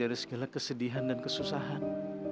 dari segala kesedihan dan kesusahan